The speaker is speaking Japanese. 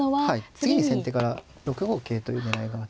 次に先手から６五桂という狙いがありまして。